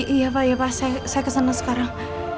iya pak saya kesana sekarang